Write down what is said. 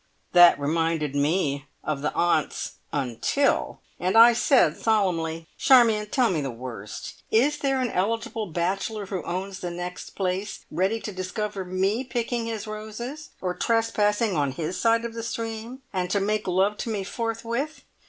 That reminded me of the aunts' "until", and I said solemnly, "Charmion, tell me the worst. Is there an eligible bachelor who owns the next `place' ready to discover me picking his roses, or trespassing on his side of the stream, and to make love to me forthwith?